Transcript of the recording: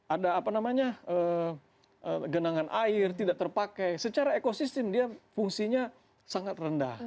ada apa namanya genangan air tidak terpakai secara ekosistem dia fungsinya sangat rendah